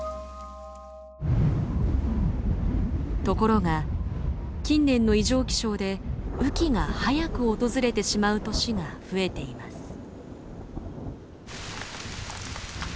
ところが近年の異常気象で雨季が早く訪れてしまう年が増えています。